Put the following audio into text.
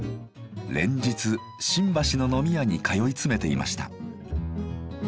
連日新橋の飲み屋に通い詰めていました。